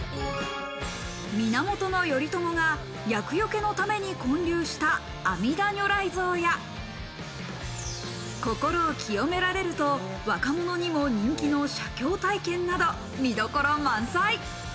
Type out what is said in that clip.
源頼朝が厄除けのために建立した阿弥陀如来像や、心を清められると若者にも人気の写経体験など見どころ満載。